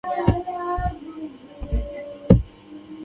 په لویدیزه نړۍ کې یې پراخه هرکلی وشو.